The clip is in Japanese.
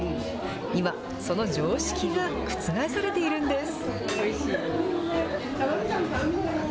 今、その常識が覆されているんです。